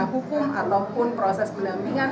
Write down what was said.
hukum ataupun proses pendampingan